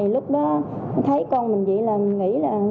lúc đó thấy con mình vậy là nghĩ là